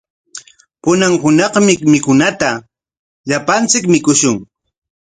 Pullan hunaqmi mikunata llapanchik mikushun.